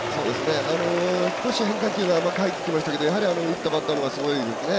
少し変化球が甘く入っていきましたけどやはり打ったバッターがすごいですね。